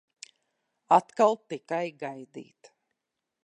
Atliek tikai gaidīt!